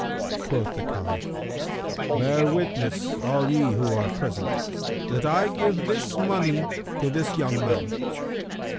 Quoth the Caliph, "Bear witness, all ye who are present, that I give this money to this young man."